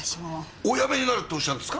お辞めになるっておっしゃるんですか！？